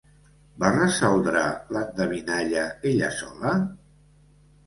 Va resoldre l'endevinalla ella sola?